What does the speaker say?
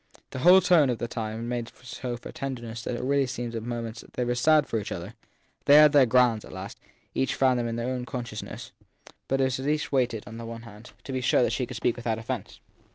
The whole tone of the time made so for tenderness that it really seemed as if at moments they were sad for each other. They had their grounds at last : each found them in her own consciousness ; but it was as if each waited, on the other hand, to be sure she could speak without offence.